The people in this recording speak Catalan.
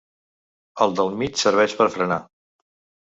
El del mig serveix per frenar.